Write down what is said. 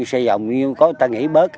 xe dòng như có người ta nghỉ bớt